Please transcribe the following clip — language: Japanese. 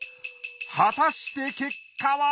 果たして結果は！？